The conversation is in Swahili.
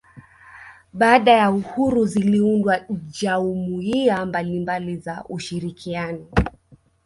Baada ya uhuru ziliundwa jaumuiya mbalimbali za ushirikiano